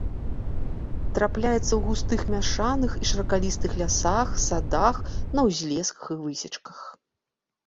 Трапляецца ў густых мяшаных і шыракалістых лясах, садах, на ўзлесках і высечках.